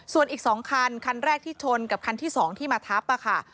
ส่วนอีก๒คันคันแรกที่ชนกับคันที่๒ที่มาทับค่ะ